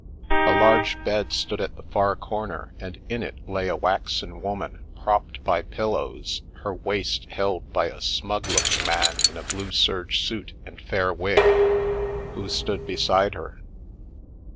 A large bed stood at the far corner and in it lay a waxen woman, propped by pillows, her waist held by a smug looking man in a blue serge suit and fair wig, who stood beside her.